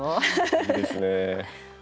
いいですね。